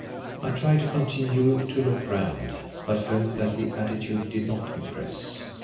I tried to continue to look grand, but felt that the attitude did not impress.